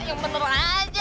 yang bener aja